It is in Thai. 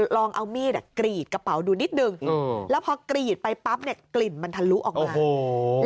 ลองเอามีดกรีดกระเป๋าดูนิดนึงแล้วพอกรีดไปปั๊บเนี่ยกลิ่นมันทะลุออกมา